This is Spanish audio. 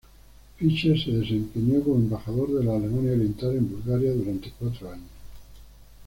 Fischer se desempeñó como embajador de la Alemania Oriental en Bulgaria durante cuatro años.